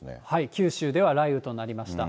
九州では雷雨となりました。